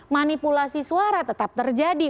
manipulasi suara tetap terjadi